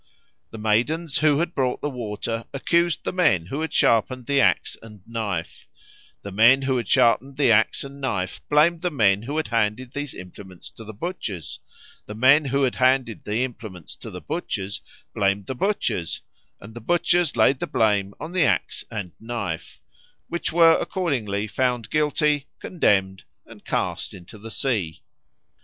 The maidens who had brought the water accused the men who had sharpened the axe and knife; the men who had sharpened the axe and knife blamed the men who had handed these implements to the butchers; the men who had handed the implements to the butchers blamed the butchers; and the butchers laid the blame on the axe and knife, which were accordingly found guilty, condemned, and cast into the sea.